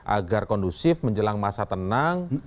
agar kondusif menjelang masa tenang